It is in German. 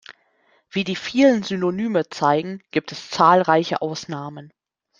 Wie die vielen Synonyme zeigen, gibt es zahlreiche Ausnahmen.